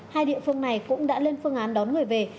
hai địa phương này cũng đã lên phương án đón người về